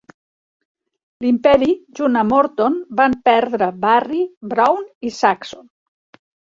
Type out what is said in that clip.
L"Imperi junt amb Orton van perdre Barry, Brown i Saxon.